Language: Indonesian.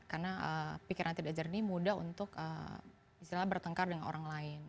karena pikiran tidak jernih mudah untuk istilah bertengkar dengan orang lain